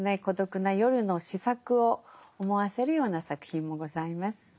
孤独な夜の詩作を思わせるような作品もございます。